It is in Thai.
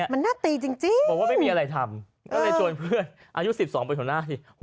บนทภาพแล้วปล่อยตรงใหม่